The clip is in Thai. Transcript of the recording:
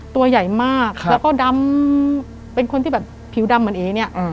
ตัวใหญ่มากแล้วก็ดำเป็นคนที่แบบผิวดำเหมือนเอ๋เนี่ย